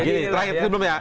gini terakhir sebelumnya